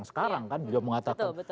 sekarang kan beliau mengatakan